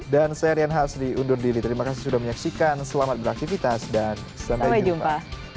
dan saya rian hasri undur diri terima kasih sudah menyaksikan selamat beraktifitas dan sampai jumpa